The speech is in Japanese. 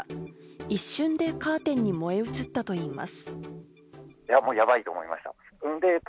一瞬でカーテンに燃え移ったといいます。